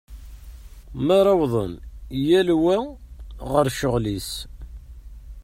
Mi ara wwḍen yal wa ɣer ccɣel-is.